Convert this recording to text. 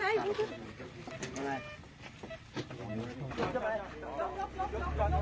สวัสดีทุกคน